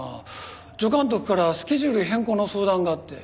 助監督からスケジュール変更の相談があって。